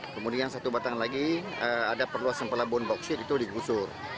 kemudian satu batang lagi ada perluas yang pelabun boksir itu di gusur